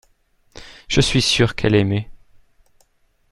Je suis sûr qu’elle aimait.